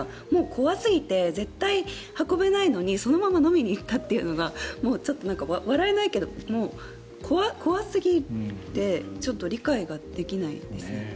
怖すぎて絶対運べないのにそのまま飲みに行ったというのがちょっと笑えないけど、怖すぎてちょっと理解ができないです。